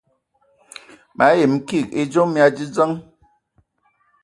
Ma yəm kig edzom mia dzədzəŋ.